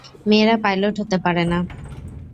মেয়েরা পাইলট হতে পারে না।